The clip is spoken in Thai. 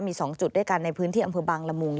มี๒จุดด้วยกันในพื้นที่อำเภอบางละมุง